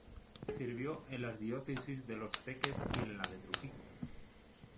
Sirvió en las diócesis de Los Teques y en la de Trujillo.